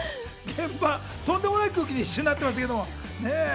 現場、とんでもない空気に一瞬なってましたけど。